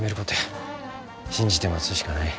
信じて待つしかない。